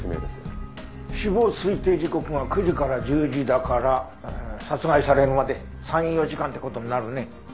死亡推定時刻が９時から１０時だから殺害されるまで３４時間って事になるね。